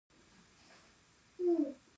معلومه ده چې کارګران دا کار ترسره کوي